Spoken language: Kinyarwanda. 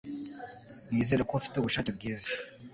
Nizere ko ufite ubushake bwiza.